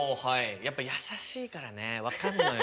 やっぱやさしいからね分かんのよ。